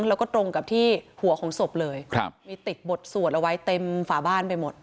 แล้วก็ตรงกับที่หัวของศพเลยครับมีติดบทสวดเอาไว้เต็มฝาบ้านไปหมด